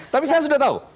tapi saya sudah tahu